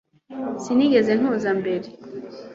Sinigeze ntuza mbere